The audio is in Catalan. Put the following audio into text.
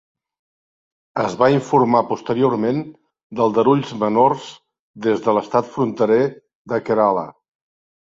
Es va informar posteriorment d'aldarulls menors des de l'estat fronterer de Kerala.